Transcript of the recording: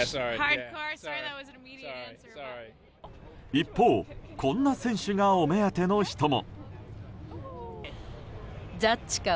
一方、こんな選手がお目当ての人も。